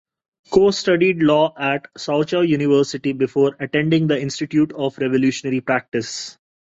Ko studied law at Soochow University before attending the Institute of Revolutionary Practice.